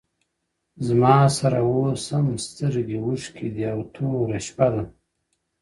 زما سره اوس هم سترگي ;اوښکي دي او توره شپه ده;